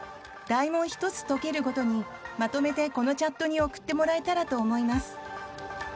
大問１つ解けるごとにまとめてこのチャットに送ってもらえたらと思います。